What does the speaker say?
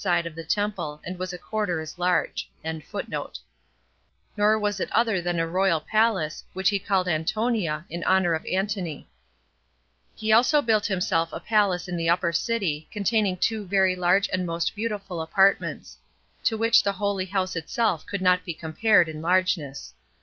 The cloisters he built from the foundation, but the citadel 32 he repaired at a vast expense; nor was it other than a royal palace, which he called Antonia, in honor of Antony. He also built himself a palace in the Upper city, containing two very large and most beautiful apartments; to which the holy house itself could not be compared [in largeness].